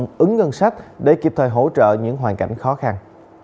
ngân ứng ngân sách để kịp thời hỗ trợ những hoàn cảnh khó khăn